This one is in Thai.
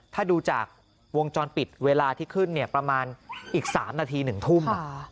ถ้าดูจากวงจรปิดเวลาที่ขึ้นเนี่ยประมาณอีก๓นาที๑ทุ่ม